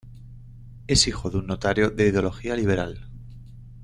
Es hijo de un notario de ideología liberal.